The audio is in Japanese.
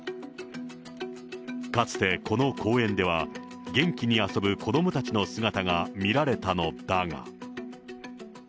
かつてこの公園では、元気に遊ぶ子どもたちの姿が見られたのだが。